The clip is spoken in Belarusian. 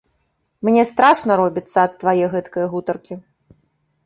Мне страшна робіцца ад твае гэткае гутаркі.